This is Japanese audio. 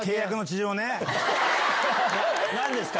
何ですか？